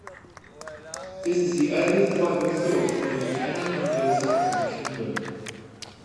This is the earliest surviving source to mention any Anglo-Saxon kingdom.